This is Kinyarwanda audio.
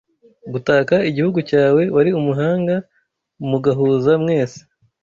gutaka igihugu cyawe wari umuhanga mu gahuza mwese